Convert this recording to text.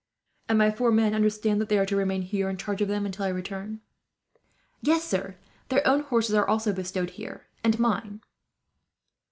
"And my four men understand that they are to remain here, in charge of them, until I return?" "Yes, sir. Their own horses are also bestowed here, and mine."